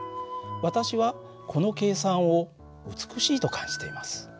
私はこの計算を美しいと感じています。